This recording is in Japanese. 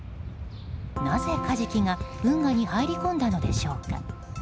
なぜカジキが運河に入り込んだのでしょうか。